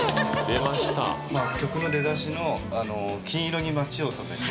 まぁ曲の出だしの「黄金色に街を染めて」